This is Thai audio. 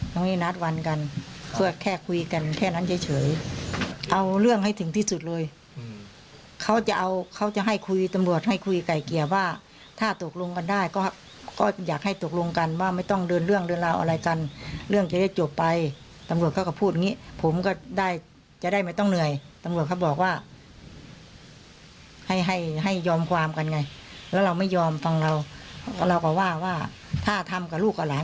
ตรงนี้นัดวันกันเพื่อแค่คุยกันแค่นั้นเฉยเฉยเอาเรื่องให้ถึงที่สุดเลยเขาจะเอาเขาจะให้คุยตำลวดให้คุยไก่เกียวว่าถ้าตกลงกันได้ก็ก็อยากให้ตกลงกันว่าไม่ต้องเดินเรื่องเดินราวอะไรกันเรื่องจะได้จบไปตำลวดเขาก็พูดอย่างงี้ผมก็ได้จะได้ไม่ต้องเหนื่อยตำลวดเขาบอกว่าให้ให้ให้ยอมความกันไงแล้วเราไม